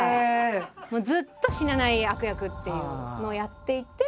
ずっと死なない悪役っていうのをやっていて。